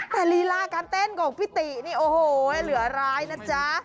แต่ลีลาการเต้นของพี่ตินี่โอ้โหเหลือร้ายนะจ๊ะ